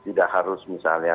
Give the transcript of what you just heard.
tidak harus misalnya